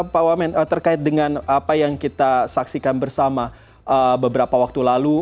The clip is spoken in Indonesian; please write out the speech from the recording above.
pak wamen terkait dengan apa yang kita saksikan bersama beberapa waktu lalu